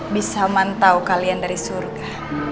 bisa mantau kalian dari surga